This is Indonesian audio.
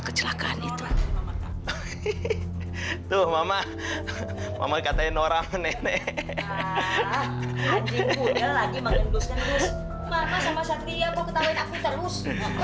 kecelakaan itu tuh mama mama katanya norang nenek lagi makin terus terus